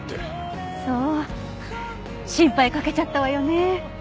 そう心配かけちゃったわよね。